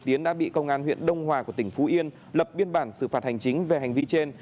tiến đã bị công an huyện đông hòa của tỉnh phú yên lập biên bản xử phạt hành chính về hành vi trên